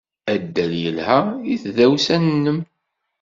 Addal yelha i tdawsa-nnem.